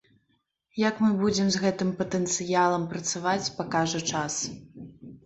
Як мы будзем з гэтым патэнцыялам працаваць, пакажа час.